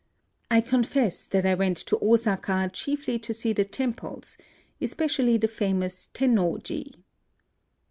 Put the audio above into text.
I confess that I went to Osaka chiefly to see the temples, especially the famous Tennoji.